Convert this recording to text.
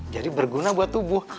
jadi berguna buat tubuh